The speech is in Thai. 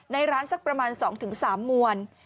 ในร้านสักประมาณ๒๓มวล